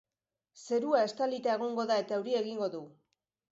Zerua estalita egongo da eta euria egingo du.